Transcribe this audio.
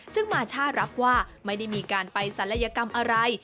ซึ่งมาช่ารับว่าไม่ได้มีการไปศัลยกรรมอะไร